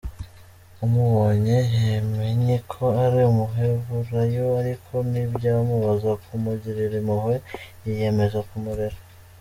Amubonye, yamenye ko ari umuheburayo ariko ntibyamubuza kumugirira impuhwe, yiyemeza kumurera.